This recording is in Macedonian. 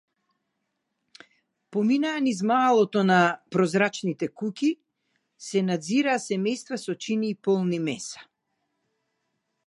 Помина низ маалото на прозрачните куќи, се наѕираа семејства со чинии полни меса.